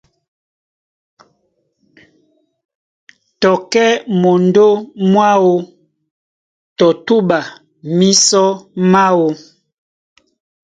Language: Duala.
Tɔ kɛ́ mondó mwáō tɔ túɓa mísɔ máō.